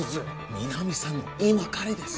みなみさんの今彼です。